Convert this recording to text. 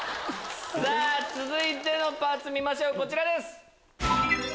続いてのパーツ見ましょうこちらです。